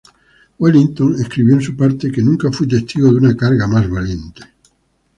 Wellington escribió en su parte que ""nunca fui testigo de una carga más valiente"".